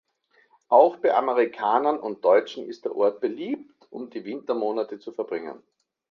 Auch bei Amerikanern und Deutschen ist der Ort beliebt, um die Wintermonate zu verbringen.